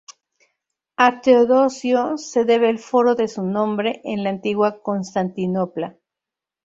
A Teodosio se debe el foro de su nombre en la antigua Constantinopla.